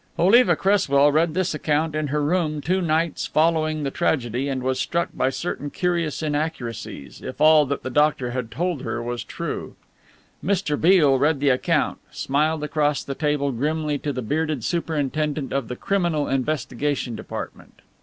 '" Oliva Cresswell read this account in her room two nights following the tragedy and was struck by certain curious inaccuracies, if all that the doctor had told her was true. Mr. Beale read the account, smiled across the table grimly to the bearded superintendent of the Criminal Investigation Department.